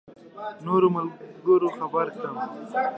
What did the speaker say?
نورو ملګرو خبر کړم.